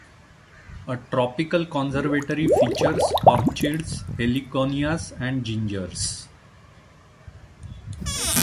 A tropical conservatory features orchids, heliconias, and gingers.